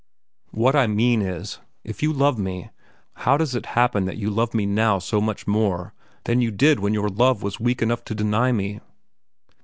"What I mean is: if you love me, how does it happen that you love me now so much more than you did when your love was weak enough to deny me?"